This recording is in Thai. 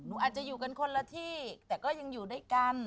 อาจจะอยู่กันคนละที่แต่ก็ยังอยู่ด้วยกัน